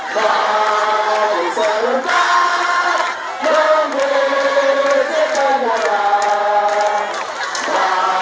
bagi serentak memuji kemulia